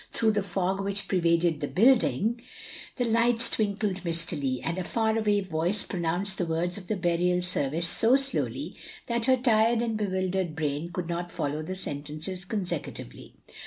Through the fog which pervaded the btiilding, the lights twinkled mistily, and a far away voice pronotinced the words of the btirial service so slow ly, that her tired and bewildered brain could not follow the sentences consecutively.